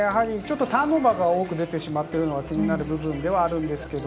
ターンオーバーが多く出てしまっているのが気になる部分ではあります。